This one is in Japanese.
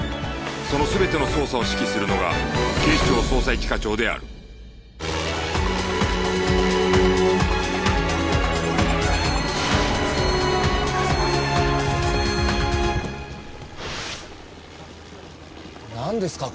その全ての捜査を指揮するのが警視庁捜査一課長であるなんですか？